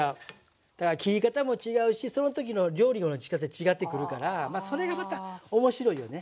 だから切り方も違うしその時の料理のしかたで違ってくるからまあそれがまた面白いよね。